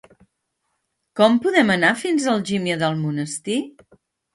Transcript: Com podem anar fins a Algímia d'Almonesir?